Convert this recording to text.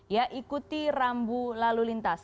ya ikuti rambu lalu lintas